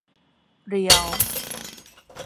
เรียล